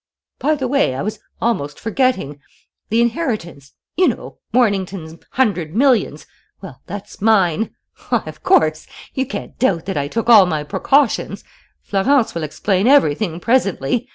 "By the way, I was almost forgetting: the inheritance you know, Mornington's hundred millions well, that's mine. Why, of course! You can't doubt that I took all my precautions! Florence will explain everything presently....